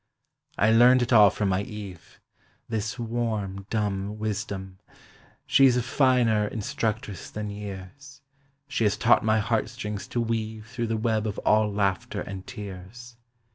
I learned it all from my Eve This warm, dumb wisdom. She's a finer instructress than years; She has taught my heart strings to weave Through the web of all laughter and tears.